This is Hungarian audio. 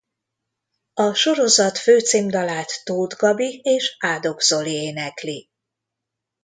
A sorozat főcímdalát Tóth Gabi és Ádok Zoli énekli.